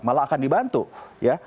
malah akan dibantu ya